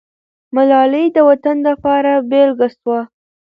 ملالۍ د وطن دپاره بېلګه سوه.